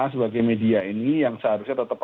sebagai media ini yang seharusnya tetap